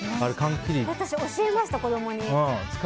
私、教えました、子供に。